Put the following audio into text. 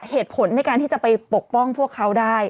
เหตุผลในการที่จะไปปกป้องพวกเขาได้